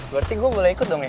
berarti gue boleh ikut dong ya